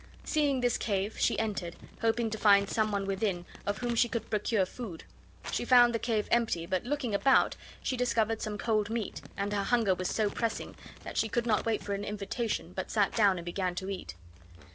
Seeing this cave, she entered, hoping to find some one within of whom she could procure food. She found the cave empty, but, looking about, she discovered some cold meat, and her hunger was so pressing that she could not wait for an invitation, but sat down and began to eat.